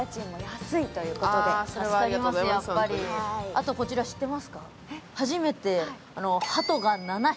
あと、こちら知ってますか？